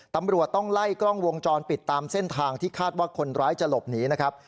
ตำรวจต้องไล่กล้องวงจรปิดตามเส้นทางที่คาดว่าคนร้ายจะหลบหนีนะครับ